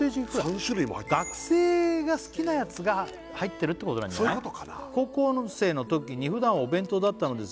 ３種類も入ってる学生が好きなやつが入ってるってことなんじゃない「高校生の時にふだんはお弁当だったのですが」